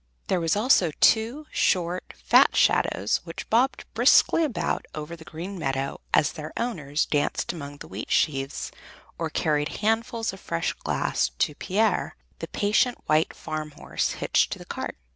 Them were also two short, fat shadows which bobbed briskly about over the green meadow as their owners danced among the wheat sheaves or carried handfuls of fresh grass to Pier, the patient white farm horse, hitched to the cart.